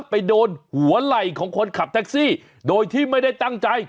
ไปโดนหัวไหล่ของคนขับแท็กซี่โดยที่ไม่ได้ตั้งใจ